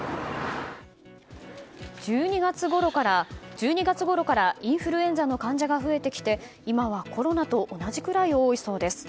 １２月ごろからインフルエンザの患者が増えてきて、今はコロナと同じくらい多いそうです。